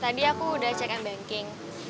tadi aku udah cek m banking